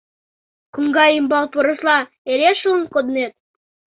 Коҥга ӱмбал пырысла эре шылын коднет!